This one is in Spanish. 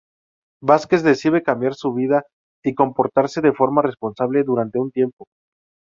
Vázquez decide cambiar su vida y comportarse de forma "responsable" durante un tiempo.